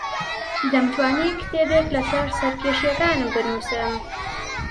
دەمتوانی کتێبێک لەسەر سەرکێشییەکانم بنووسم.